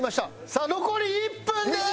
さあ残り１分です！